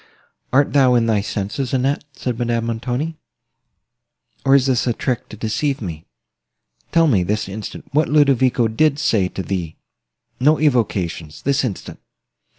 "Art thou in thy senses, Annette?" said Madame Montoni; "or is this a trick to deceive me? Tell me, this instant, what Ludovico did say to thee;—no equivocation;—this instant."